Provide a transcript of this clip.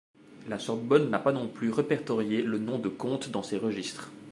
La Sorbonne n'a pas non plus répertorié le nom de Conte dans ses registres.